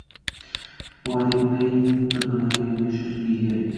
Bu adib bip-binoyi yozish uslubiga ega.